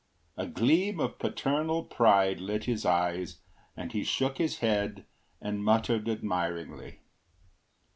A gleam of paternal pride lit his eyes and he shook his head and muttered admiringly.